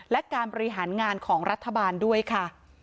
และการบริหารงานของรัฐบาลด้วยค่ะ